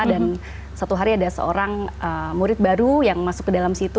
dan satu hari ada seorang murid baru yang masuk ke dalam situ